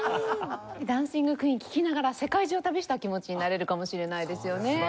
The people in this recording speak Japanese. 『ダンシング・クイーン』聴きながら世界中を旅した気持ちになれるかもしれないですよね。